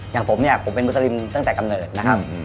อย่างผมเนี่ยผมเป็นมุสลิมตั้งแต่กำเนิดนะครับ